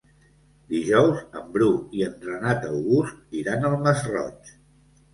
Dijous en Bru i en Renat August iran al Masroig.